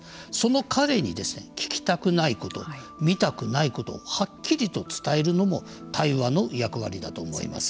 その彼に聞きたくないこと見たくないことをはっきりと伝えるのも対話の役割だと思います。